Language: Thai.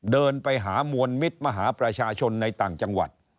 เดินไปหามวลมิตรมหาประชาชนในต่างจังหวัด